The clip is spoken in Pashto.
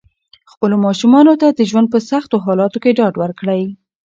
خپلو ماشومانو ته د ژوند په سختو حالاتو کې ډاډ ورکړئ.